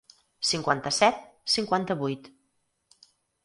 Cinquanta-set, cinquanta-vuit.